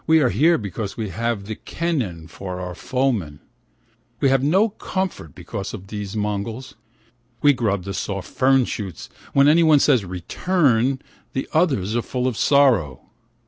Here we are because we have the Ken nin for our foemen, We have no comfort because of these Mongols. We grub the soft fern shoots, When anyone says " Return," the others are full of sorrow.